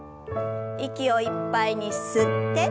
息をいっぱいに吸って。